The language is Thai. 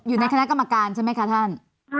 อยู่ในคณะกรรมการใช่ไหมคะท่าน